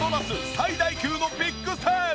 最大級のビッグセール！！